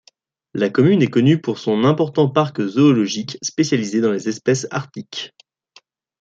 La commune est connue pour son important parc zoologique spécialisé dans les espèces arctiques.